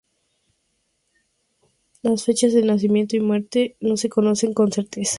Las fechas de nacimiento y muerte no se conocen con certeza.